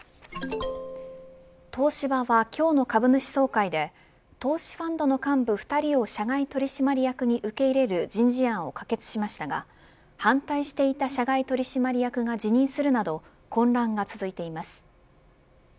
東芝は今日の株主総会で投資ファンドの幹部２人を社外取締役に受け入れる人事案を可決しましたが反対していた社外取締役が辞任するなど混乱が続いています。